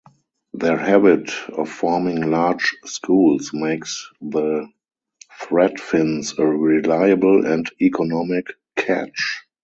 Their habit of forming large schools makes the threadfins a reliable and economic catch.